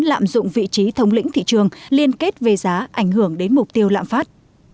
lạm dụng vị trí thống lĩnh thị trường liên kết về giá ảnh hưởng đến mục tiêu lạm phát